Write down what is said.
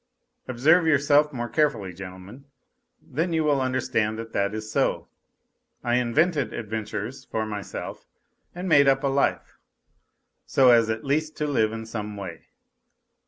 Observe yourselves more carefully, gentlemen, then you will understand that it is so. I invented adventures for myself and made up a life, so as at least to live in some way.